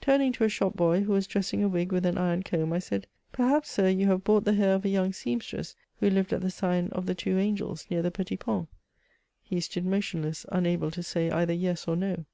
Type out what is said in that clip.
Turning to a shop boy, who was dressing a wig with an iron comb, I said, "Perhaps, sir, you have bought the hair of a young seamstress who lived at the sign of the Two Angels, near the Petit Pont?" He stood motionless, unable to say either yes or no.